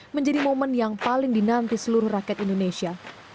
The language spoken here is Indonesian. menjadi momen yang paling dinanti seluruh rakyat indonesia